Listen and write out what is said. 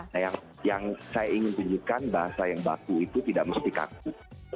nah yang saya ingin tunjukkan bahasa yang baku itu tidak mesti kaku